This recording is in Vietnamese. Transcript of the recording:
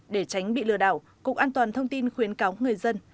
để tránh bị lừa đảo cục an toàn thông tin khuyến cáo người dân